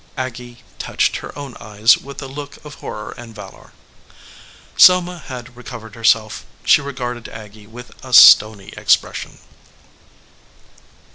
Aggy touched her own eyes with a look of hor ror and valor. Selma had recovered herself. She regarded Aggy with a stony expression.